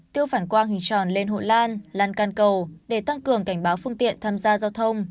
tiêu phản quang hình tròn lên hội lan lan can cầu để tăng cường cảnh báo phương tiện tham gia giao thông